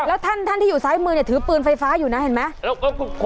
แล้วท่านที่อยู่ซ้ายมือเนี่ยถือปืนไฟฟ้าอยู่นะเห็นไหม